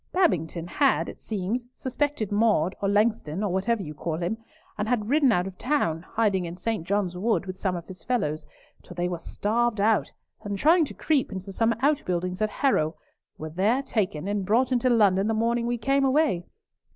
Babington had, it seems, suspected Maude or Langston, or whatever you call him, and had ridden out of town, hiding in St. John's Wood with some of his fellows, till they were starved out, and trying to creep into some outbuildings at Harrow, were there taken, and brought into London the morning we came away.